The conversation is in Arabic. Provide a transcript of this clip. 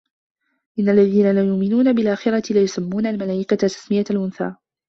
إِنَّ الَّذينَ لا يُؤمِنونَ بِالآخِرَةِ لَيُسَمّونَ المَلائِكَةَ تَسمِيَةَ الأُنثى